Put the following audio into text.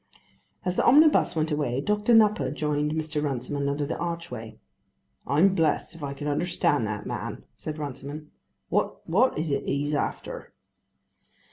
As the omnibus went away Dr. Nupper joined Mr. Runciman under the archway. "I'm blessed if I can understand that man," said Runciman. "What is it he's after?"